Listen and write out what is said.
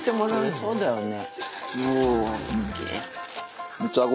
そうだよね。